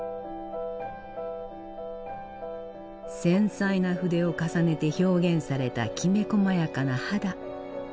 繊細な筆を重ねて表現されたきめこまやかな肌。